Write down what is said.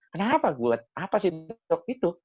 kenapa gue apa sih stok itu